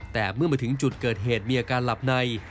แต่เมื่อมาถึงจุดเกิดเหตุมีอาการหลับใน